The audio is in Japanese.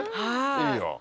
いいよ。